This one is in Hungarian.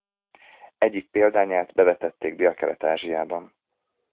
Egyik példányát bevetették Délkelet-Ázsiában.